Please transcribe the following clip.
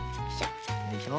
よいしょ。